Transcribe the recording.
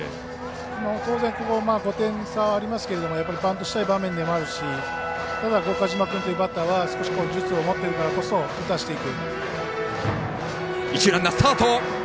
当然、５点差ありますけどもバントしたい場面でもあるしただ、岡島君というバッターは少し術を持ってるからこそ打たせていく。